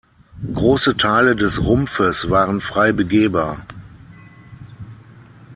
Große Teile des Rumpfes waren frei begehbar.